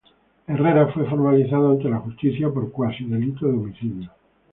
Herrera fue formalizado ante la justicia por "cuasi-delito de homicidio".